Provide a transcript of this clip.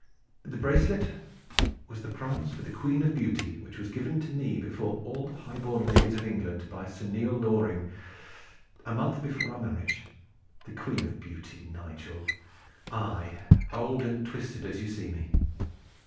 "The bracelet was the prize for the Queen of Beauty which was given to me before all the high born ladies of England by Sir Nele Loring a month before our marriage the Queen of Beauty, Nigel I, old and twisted, as you see me.